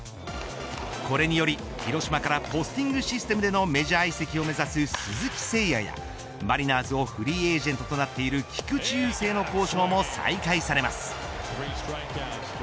これにより広島からポスティングシステムでのメジャー移籍を目指す鈴木誠也やマリナーズをフリーエージェントとなっている菊池雄星の交渉も再開されます。